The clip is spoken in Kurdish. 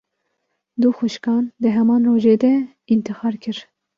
Du xwişkan, di heman rojê de întixar kir